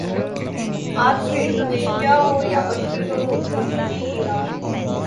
آج بھی انڈونیشیا ہو یا مشرق وسطی ایران